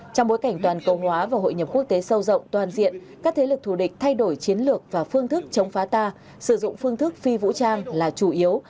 trong bối cảnh toàn cầu hóa và hội nhập quốc tế sâu rộng toàn diện các thế lực thù địch thay đổi chiến lược và phương thức chống phá ta sử dụng phương thức phi vũ trang là chủ yếu